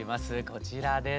こちらです。